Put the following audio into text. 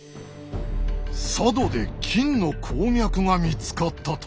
佐渡で金の鉱脈が見つかったと？